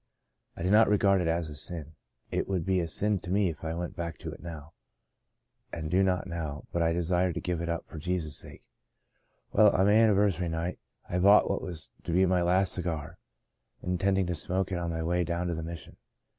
I did not regard it as a sin — it would be a sin to me if I went back to it now — and do not now, but I desired to give it up for Jesus' sake. Well, on my anniversary night, I bought what was to be my last cigar, intending to smoke it on my way down to the Mission.